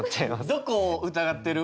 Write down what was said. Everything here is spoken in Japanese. どこを疑ってる？